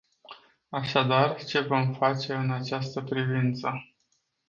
Așadar, ce vom face în această privință?